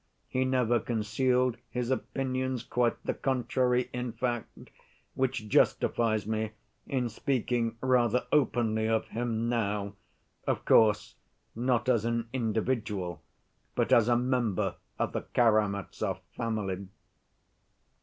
He never concealed his opinions, quite the contrary in fact, which justifies me in speaking rather openly of him now, of course, not as an individual, but as a member of the Karamazov family.